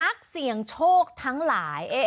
นักเสี่ยงโชคทั้งหลาย